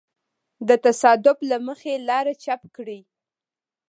د تصادف له مخې لاره چپ کړي.